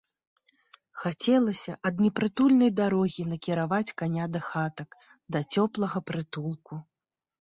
Хацелася ад непрытульнай дарогі накіраваць каня да хатак, да цёплага прытулку.